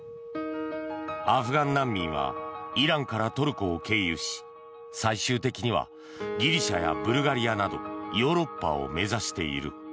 アフガン難民はイランからトルコを経由し最終的にはギリシャやブルガリアなどヨーロッパを目指している。